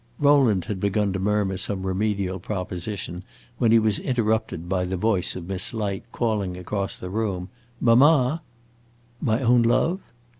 Rowland had begun to murmur some remedial proposition, when he was interrupted by the voice of Miss Light calling across the room, "Mamma!" "My own love?"